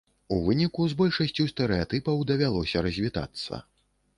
У выніку з большасцю стэрэатыпаў давялося развітацца.